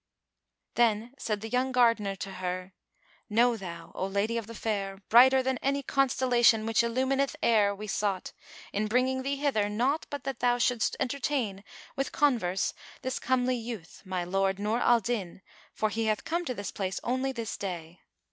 '" Then said the young gardener to her, "Know thou, O lady of the fair, brighter than any constellation which illumineth air we sought, in bringing thee hither naught but that thou shouldst entertain with converse this comely youth, my lord Nur al Din, for he hath come to this place only this day."